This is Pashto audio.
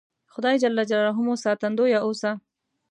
خدای ج مو ساتندویه اوسه